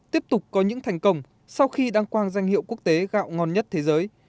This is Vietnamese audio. tiếp tục có những thành công sau khi đăng quang danh hiệu quốc tế gạo ngon nhất thế giới